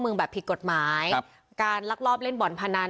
เมืองแบบผิดกฎหมายครับการลักลอบเล่นบ่อนพนัน